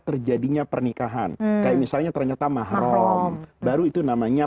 terjadinya pernikahan kayak misalnya ternyata mahram baru itu namanya